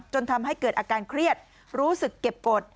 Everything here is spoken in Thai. จนทำให้เกิดอาการเครียดรู้สึกเก็บกฎ